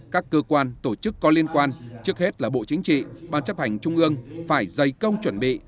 các cơ quan tổ chức có liên quan trước hết là bộ chính trị ban chấp hành trung ương phải dày công chuẩn bị